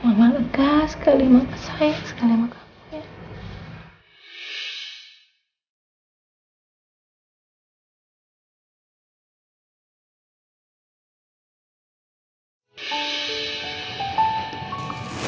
mama lega sekali sayang sekali sama kamu ya